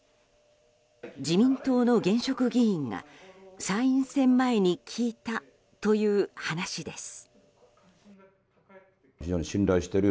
自民党の現職議員が参院選前に聞いたという話です。